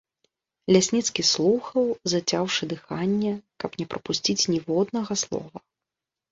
Лясніцкі слухаў, зацяўшы дыханне, каб не прапусціць ніводнага слова.